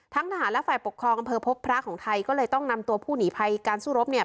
ทหารและฝ่ายปกครองอำเภอพบพระของไทยก็เลยต้องนำตัวผู้หนีภัยการสู้รบเนี่ย